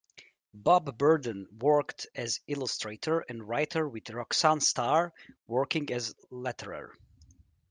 Bob Burden worked as illustrator and writer with Roxanne Starr working as letterer.